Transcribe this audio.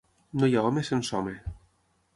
No hi ha home sense home.